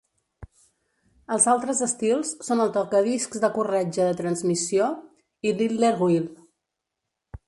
Els altres estils són el tocadiscs de corretja de transmissió i l'idler-wheel.